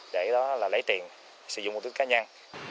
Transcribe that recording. để lấy tiền sử dụng công ty cá nhân